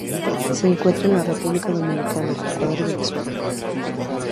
Se encuentra en la República Dominicana, Ecuador y Venezuela.